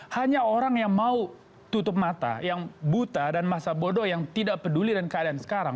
hanya orang yang mau tutup mata yang buta dan masa bodoh yang tidak peduli dengan keadaan sekarang